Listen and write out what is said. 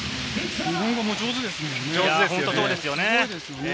日本語も上手ですもんね。